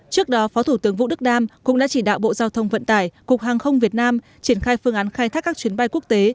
trước đó phó thủ tướng vũ đức đam cũng đã chỉ đạo bộ giao thông vận tải cục hàng không việt nam triển khai phương án khai thác các chuyến bay quốc tế